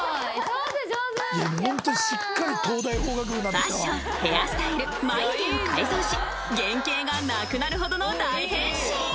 ［ファッションヘアスタイル眉毛を改造し原形がなくなるほどの大変身］